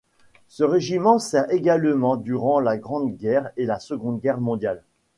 Ce régiment sert également durant la Grande Guerre et la Seconde Guerre mondiale.